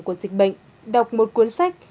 của dịch bệnh đọc một cuốn sách